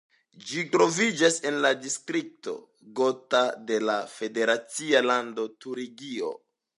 Ĝi troviĝas en la distrikto Gotha de la federacia lando Turingio.